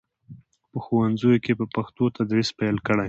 په ښوونځیو کې یې په پښتو تدریس پیل کړ.